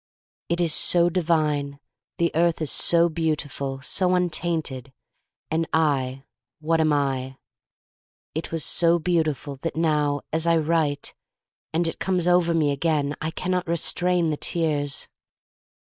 It is so divine — the earth is so beautiful, so untainted — and I, what am I? It was so beautiful that now as I write, and it comes over me again, I can not restrain the tears.